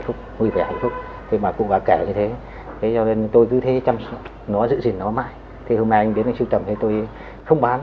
thế hôm nay anh đến đây sưu trầm tôi không bán